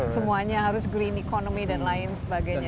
semuanya harus green economy dan lain sebagainya